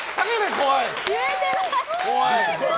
怖い！